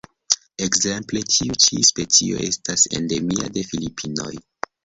Ekzemple tiu ĉi specio estas endemia de Filipinoj.